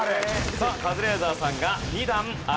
さあカズレーザーさんが２段上がります。